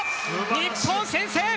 日本先制。